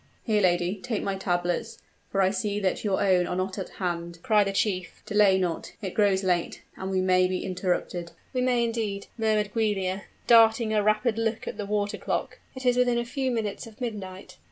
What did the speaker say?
"Here, lady, take my tablets, for I see that your own are not at hand," cried the chief. "Delay not it grows late, and we may be interrupted." "We may indeed," murmured Giulia, darting a rapid look at the water clock. "It is within a few minutes of midnight."